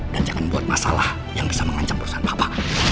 dan jangan buat masalah yang bisa mengancam perusahaan papa